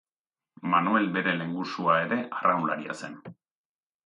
Manuel bere lehengusua ere arraunlaria zen.